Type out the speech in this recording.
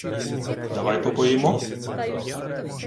— Давай попоїмо?